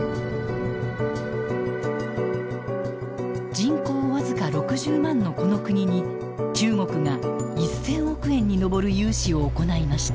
人口僅か６０万のこの国に中国が１，０００億円に上る融資を行いました。